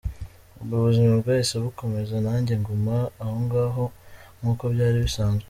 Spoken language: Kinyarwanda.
Ubwo ubuzima bwahise bukomeza nanjye nguma ahongaho, nk’uko byari bisanzwe.